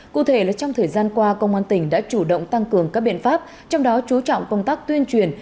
cụ thể là trong thời gian qua công an tỉnh đã chủ động tăng cường các biện pháp trong đó chú trọng công tác tuyên truyền